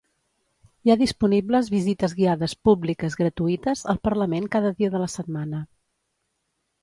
Hi ha disponibles visites guiades públiques gratuïtes al parlament cada dia de la setmana.